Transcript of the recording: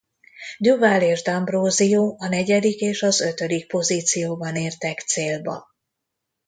Duval és D’Ambrosio a negyedik és az ötödik pozícióban értek célba.